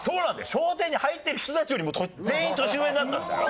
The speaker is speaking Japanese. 『笑点』に入ってる人たちよりも全員年上になったんだよ。